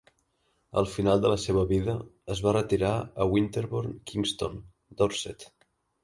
Al final de la seva vida, es va retirar a Winterborne Kingston, Dorset.